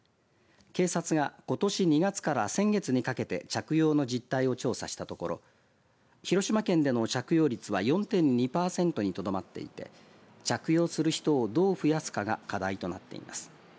警察がことし２月から先月にかけて着用の実態を調査したところ広島県での着用率は４．２パーセントにとどまっていて着用する人をどう増やすかが課題となっています。